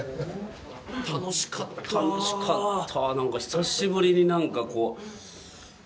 楽しかった。